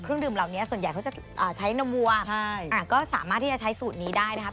อเรนนี่นี่ง่ะมาเดี๋ยวเราจะราดให้